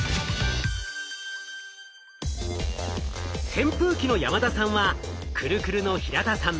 扇風機の山田さんはクルクルの平田さん